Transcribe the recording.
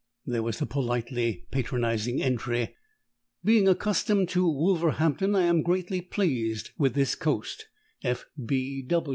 _ There was the politely patronising entry: _Being accustomed to Wolverhampton, I am greatly pleased with this coast.